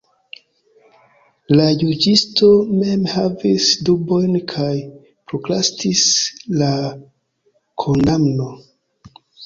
La juĝisto mem havis dubojn kaj prokrastis la kondamno.